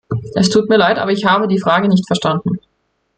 Es tut mir leid, aber ich habe die Frage nicht verstanden.